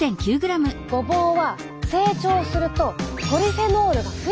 ごぼうは成長するとポリフェノールが増えていくんです。